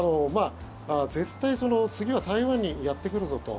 絶対、次は台湾にやってくるぞと。